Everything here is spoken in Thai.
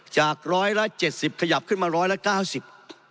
จากร้อยละเจ็ดสิบขยับขึ้นมาร้อยละเก้าสิบ